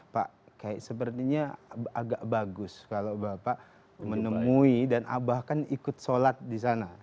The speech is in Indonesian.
pak kayak sepertinya agak bagus kalau bapak menemui dan abah kan ikut sholat disana